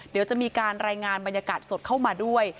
เดี๋ยวจะมีการรายงานบรรยากาศสดเข้ามาด้วย